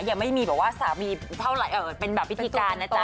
ยังไม่มีแบบว่าสามีเท่าไหร่เป็นแบบพิธีการนะจ๊